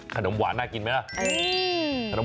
ขนมหวานน่ากินไหมล่ะ